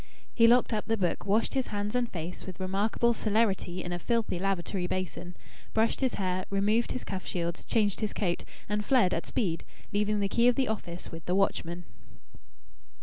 He locked up the book, washed his hands and face with remarkable celerity in a filthy lavatory basin, brushed his hair, removed his cuff shields, changed his coat, and fled at speed, leaving the key of the office with the watchman.